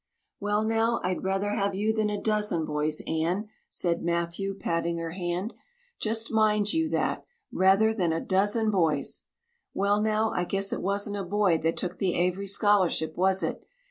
"Well now, I'd rather have you than a dozen boys, Anne," said Matthew patting her hand. "Just mind you that rather than a dozen boys. Well now, I guess it wasn't a boy that took the Avery scholarship, was it?